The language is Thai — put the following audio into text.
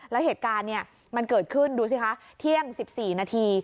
แล้วเหตุการณ์มันเกิดขึ้นดูสิคะเที่ยง๑๔นาที